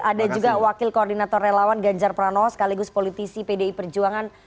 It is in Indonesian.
ada juga wakil koordinator relawan ganjar pranowo sekaligus politisi pdi perjuangan